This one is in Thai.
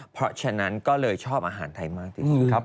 เพราะฉะนั้นก็เลยชอบอาหารไทยมากที่สุดครับ